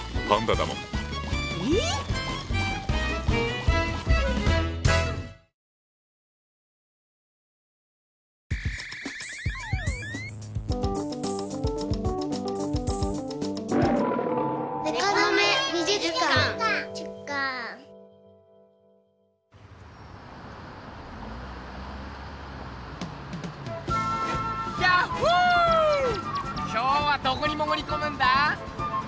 今日はどこにもぐりこむんだ？